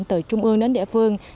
từ trung ương đến địa phương